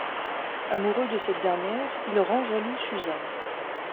Amoureux de cette dernière, il rend jalouse Suzanne.